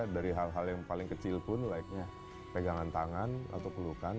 dari hal hal yang paling kecil pun laiknya pegangan tangan atau pelukan